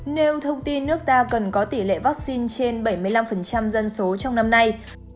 nêu thông tin nước ta cần có tỷ lệ vaccine trên bảy mươi năm dân số trong năm nay